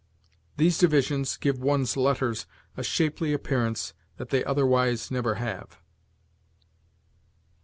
These divisions give one's letters a shapely appearance that they otherwise never have.